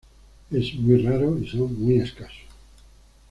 Es muy raro y son muy escasos.